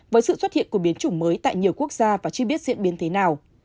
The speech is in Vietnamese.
với sự xuất hiện của biến chủng mới tại nhiều quốc gia và chưa biết diễn biến thế nào